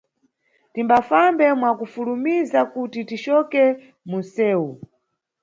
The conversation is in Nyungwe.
Tifambe mwakufulumiza kuti ticoke munʼsewu.